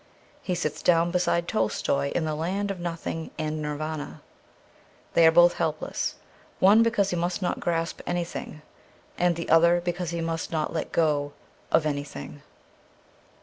He sits down beside Tolstoy in the land of nothing and Nirvana. They are both helpless — one because he must not grasp anything, and the other because he must not let go of an3rthing.